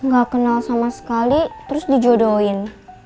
gak kenal sama sekali terus dijodohin